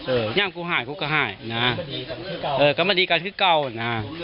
เออแย่งกูหายกูกะหายนะฮะเออกันมาดีกันคือเก่านะฮะ